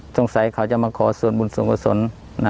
สงสัยเขาจะมาขอส่วนบุญสงสน